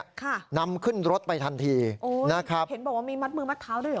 ค่ะนำขึ้นรถไปทันทีโอ้นะครับเห็นบอกว่ามีมัดมือมัดเท้าด้วยเห